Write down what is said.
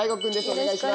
お願いします。